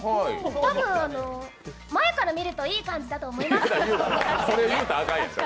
多分、前から見るといい感じだと思います。